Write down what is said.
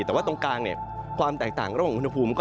แต่ว่าตรงกลางเนี่ยความแตกต่างในวันอุณหภูมิ